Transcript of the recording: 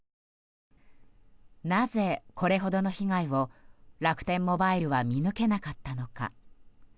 なぜ、これほどの被害を楽天モバイルは見抜けなかったのか。